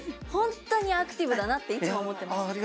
本当にアクティブだなっていつも思ってます。